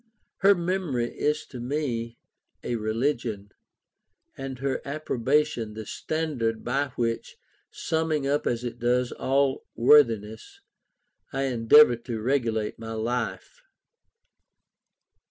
Her memory is to me a religion, and her approbation the standard by which, summing up as it does all worthiness, I endeavour to regulate my life.